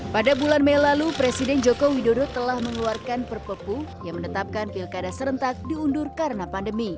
pada bulan mei lalu presiden joko widodo telah mengeluarkan perpu yang menetapkan pilkada serentak diundur karena pandemi